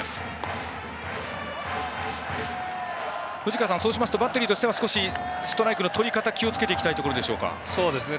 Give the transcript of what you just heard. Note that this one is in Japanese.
藤川さん、そうしますとバッテリーとしてはストライクのとり方に気をつけていきたいそうですね。